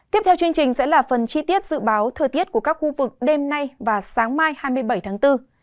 tiếp theo chương trình sẽ là phần chi tiết dự báo thời tiết của các khu vực đêm nay và sáng mai hai mươi bảy tháng bốn